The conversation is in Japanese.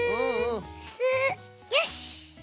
よし！